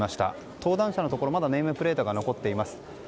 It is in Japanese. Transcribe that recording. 登壇者のところまだネームプレートが残っています。